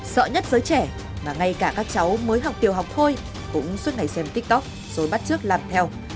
sợ nhất giới trẻ mà ngay cả các cháu mới học tiểu học thôi cũng suốt ngày xem tiktok rồi bắt trước làm theo